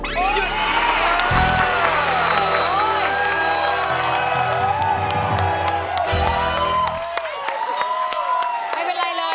ไม่เป็นไรเลยพี่เอ๊ะไม่เป็นไรเลยค่ะ